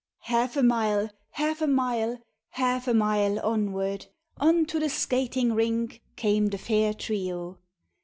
Half a mile, half a mile, Half a mile onward. On to the skating rink Came the fair trio.